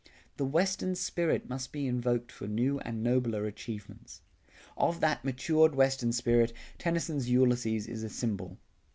The Western spirit must be invoked for new and nobler achievements. Of that matured Western spirit, Tennyson's Ulysses is a symbol.